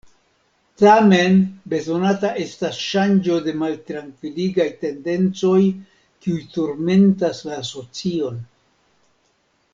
Tamen bezonata estas ŝango de maltrankviligaj tendencoj kiuj turmentas la asocion.